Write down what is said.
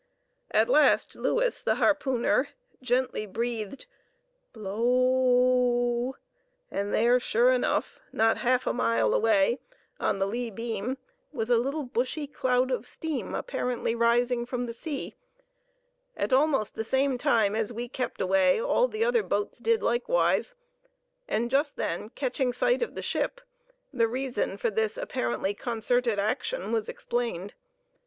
At last Louis, the harpooner, gently breathed "blo o o w"; and there, sure enough, not half a mile away on the lee beam, was a little bushy cloud of steam apparently rising from the sea. At almost the same time as we kept away all the other boats did likewise, and just then, catching sight of the ship, the reason for this apparently concerted action was explained.